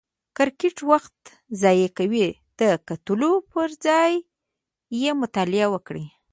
کرکټ وخت ضایع کوي، د کتلو پر ځای یې مطالعه وکړئ!